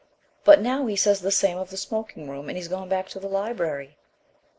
But now he says the same of the smoking room, and he's gone back to the library."